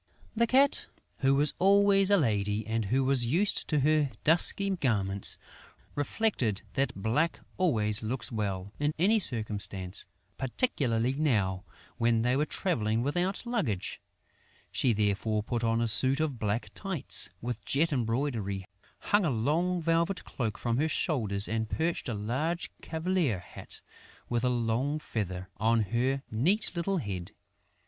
The Cat, who was always a lady and who was used to her dusky garments, reflected that black always looks well, in any circumstance, particularly now, when they were travelling without luggage. She therefore put on a suit of black tights, with jet embroidery, hung a long velvet cloak from her shoulders and perched a large cavalier hat, with a long feather, on her neat little head.